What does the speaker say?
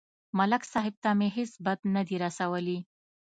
ملک صاحب ته مې هېڅ بد نه دي رسولي